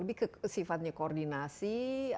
lebih ke sifatnya koordinasi